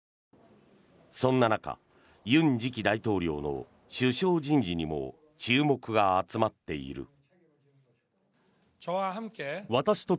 そんな中、尹次期大統領の首相人事にも注目が集まっている。